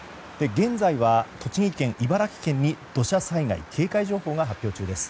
現在は栃木県、茨城県に土砂災害警戒情報が発表中です。